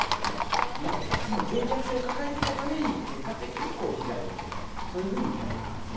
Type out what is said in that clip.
でもぜい弱性を抱えていたために、結果的に被害を受けたと、そういうふうに見られています。